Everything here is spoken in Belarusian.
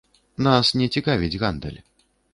Нас не цікавіць гандаль.